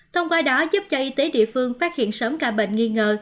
thông qua đó giúp cho y tế địa phương phát hiện sớm ca bệnh nghi ngờ